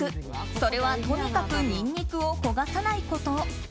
それはとにかくニンニクを焦がさないこと。